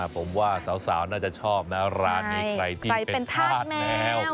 ผมว่าสาวน่าจะชอบแมวร้านในใครที่เป็นทาสแมว